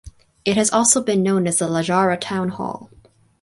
It has also been known as the La Jara Town Hall.